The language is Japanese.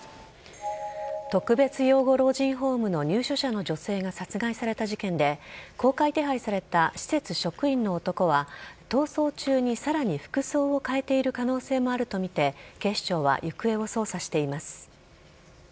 特別養護老人ホームの入所者の女性が殺害された事件で公開手配された施設職員の男は逃走中にさらに服装を変えている可能性もあるとみて警視庁は行方を捜査しています。